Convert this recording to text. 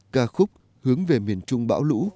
ca khúc hướng về miền trung bão lũ